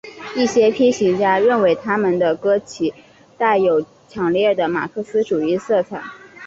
一些批评家认为他们的歌其带有强烈的马克思主义色彩。